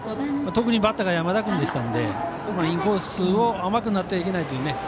特にバッターが山田君でしたのでインコース甘くなってはいけないというね。